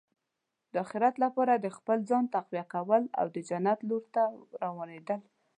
د اخرت لپاره د خپل ځان تقویه کول او د جنت لور ته روانېدل.